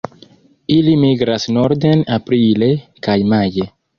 Ili migras norden aprile kaj maje.